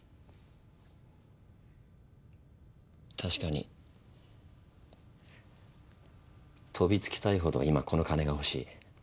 確かに飛びつきたいほど今この金が欲しい。